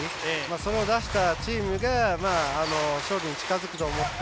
それを出したチームが勝利に近づくと思って。